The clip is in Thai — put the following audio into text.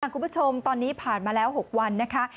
คุณผู้ชมตอนนี้ผ่านมาแล้ว๖วันนะคะ